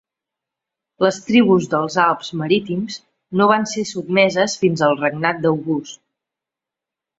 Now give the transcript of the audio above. Les tribus dels Alps Marítims no van ser sotmeses fins al regnat d'August.